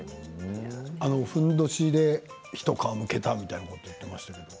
ふんどしで一皮むけたということを言っていましたけれど。